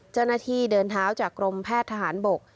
เจ้าหน้าที่เดินเท้าจากกรมแพทย์ทหารบก